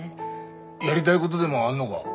やりたいごどでもあんのが？